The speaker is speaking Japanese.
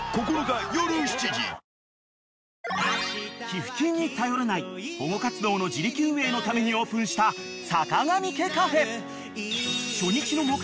［寄付金に頼らない保護活動の自力運営のためにオープンしたさかがみ家カフェ］［初日の］円。